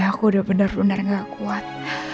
aku udah bener bener gak kuat